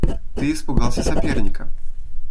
Ты испугался соперника.